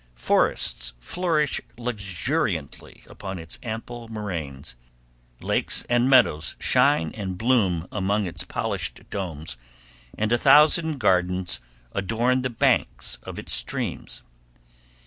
Forests flourish luxuriantly upon its ample moraines, lakes and meadows shine and bloom amid its polished domes, and a thousand gardens adorn the banks of its streams.